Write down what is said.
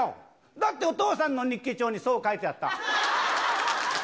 だってお父さんの日記帳にそう書いてあった。